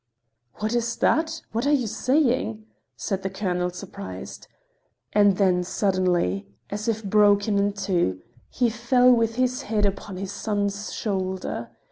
"What is that? What are you saying?" said the colonel, surprised. And then suddenly, as if broken in two, he fell with his head upon his son's shoulder.